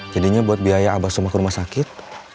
jadinya buat biaya abah semua ke rumah sakit